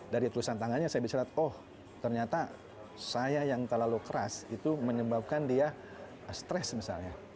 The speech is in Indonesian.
dari tulisan tangannya saya bisa lihat oh ternyata saya yang terlalu keras itu menyebabkan dia stres misalnya